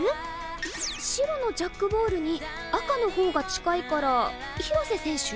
白のジャックボールに赤の方が近いから廣瀬選手？